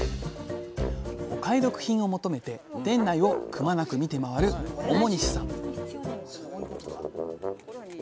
お買い得品を求めて店内をくまなく見て回る表西さん